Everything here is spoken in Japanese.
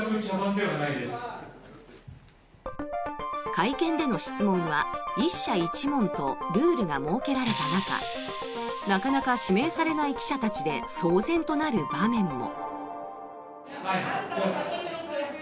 会見での質問は１社１問とルールが設けられた中なかなか指名されない記者たちで騒然となる場面も。